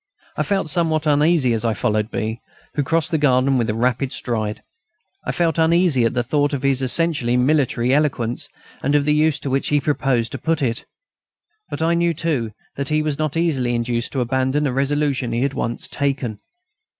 I felt somewhat uneasy as I followed B., who crossed the garden with a rapid stride. I felt uneasy at the thought of his essentially military eloquence, and of the use to which he proposed to put it. But I knew, too, that he was not easily induced to abandon a resolution he had once taken.